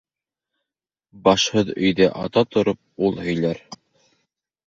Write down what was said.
Башһыҙ өйҙә ата тороп ул һөйләр